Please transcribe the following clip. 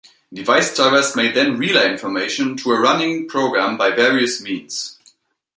Device drivers may then relay information to a running program by various means.